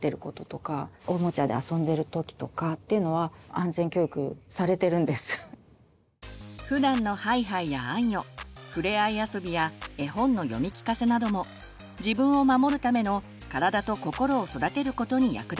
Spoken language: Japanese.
皆さんがやってらっしゃるふだんのハイハイやあんよふれあい遊びや絵本の読み聞かせなども自分を守るための体と心を育てることに役立ちます。